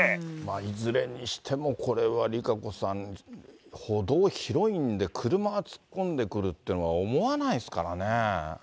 いずれにしても、これはＲＩＫＡＣＯさん、歩道広いんで、車が突っ込んでくるっていうのは、思わないですからね。